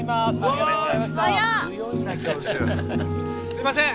すみません！